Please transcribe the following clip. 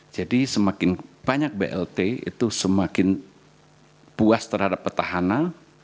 jadi semakin banyak blt itu semakin puas terhadap petahana